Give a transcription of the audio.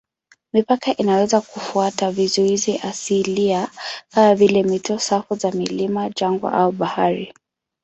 Mipaka inaweza kufuata vizuizi asilia kama vile mito, safu za milima, jangwa au bahari.